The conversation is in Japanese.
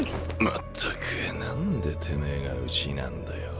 全く何でてめえがうちなんだよ？